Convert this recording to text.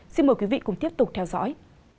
xin mời quý vị cùng tiếp tục theo dõi